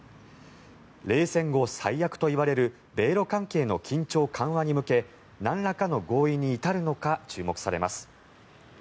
冷戦後最悪といわれる米ロ関係の緊張緩和に向けなんらかの合意に至るのか注目されます。